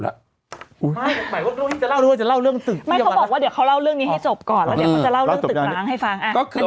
ฟังลูกครับ